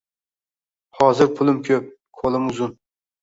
Hozir pulim ko`p, qo`lim uzun